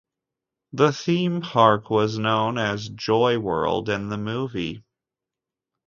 The theme park was known as Joyworld in the movie.